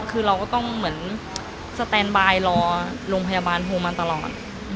คือเราก็ต้องเหมือนสแตนบายรอโรงพยาบาลโทรมาตลอด